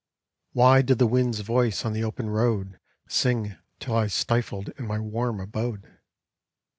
Why did the wind's voice on the open road Sing till I stifled in my warm abode?